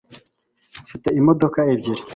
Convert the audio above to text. mfite imodoka ebyiri